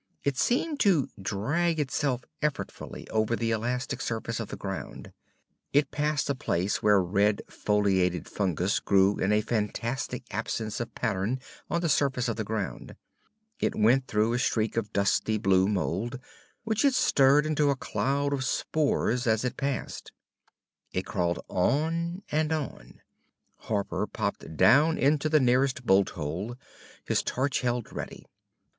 It seemed to drag itself effortfully over the elastic surface of the ground. It passed a place where red, foleated fungus grew in a fantastic absence of pattern on the surface of the ground. It went through a streak of dusty blue mould, which it stirred into a cloud of spores as it passed. It crawled on and on. Harper popped down into the nearest bolt hole, his torch held ready.